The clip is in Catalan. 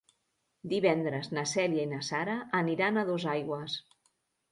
Divendres na Cèlia i na Sara aniran a Dosaigües.